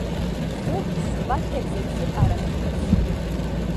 ზოგი სხვა თევზებზე პარაზიტობს.